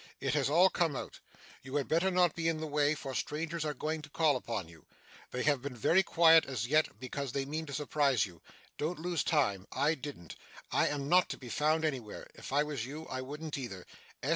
It has all come out. You had better not be in the way, for strangers are going to call upon you. They have been very quiet as yet, because they mean to surprise you. Don't lose time. I didn't. I am not to be found anywhere. If I was you, I wouldn't either.